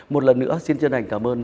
một lần nữa xin chân thành cảm ơn